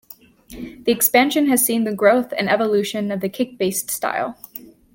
The expansion has seen the growth and evolution of the kick-based style.